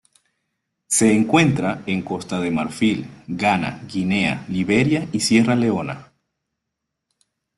Se encuentra en Costa de Marfil, Ghana, Guinea, Liberia y Sierra Leona.